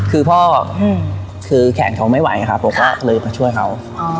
คือพ่ออืมคือแข็งเขาไม่ไหวนะครับครับผมก็เลยมาช่วยเขาอ๋อ